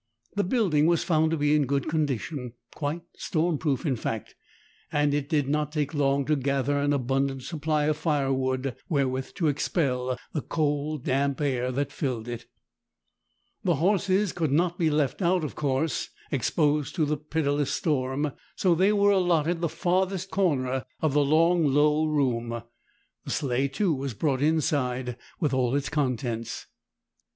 The building was found to be in good condition—quite storm proof, in fact—and it did not take long to gather an abundant supply of firewood wherewith to expel the cold, damp air that filled it. The horses could not be left out, of course, exposed to the pitiless storm, so they were allotted the farthest corner of the long, low room. The sleigh, too, was brought inside with all its contents.